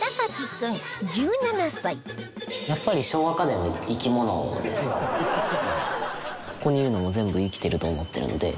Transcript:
やっぱりここにいるのも全部生きてると思ってるので。